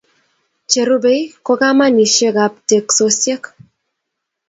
Cherubei ko kamanisheik ab teksosiek